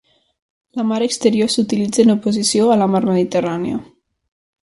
La mar Exterior s'utilitza en oposició a la mar Mediterrània.